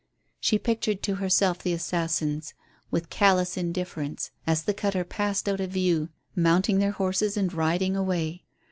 She pictured to herself the assassins, with callous indifference, as the cutter passed out of view, mounting their horses and riding away.